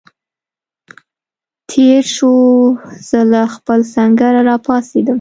تېر شو، زه له خپل سنګره را پاڅېدم.